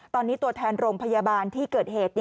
ตอนนี้ตัวแทนโรงพยาบาลที่เกิดเหตุ